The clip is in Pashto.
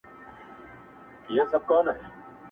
o ړنده سترگه څه ويښه، څه بيده!